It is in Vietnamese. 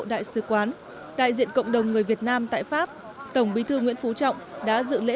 đại sứ quán đại diện cộng đồng người việt nam tại pháp tổng bí thư nguyễn phú trọng đã dự lễ